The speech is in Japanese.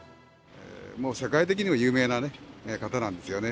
世界的にも有名な方なんですよね。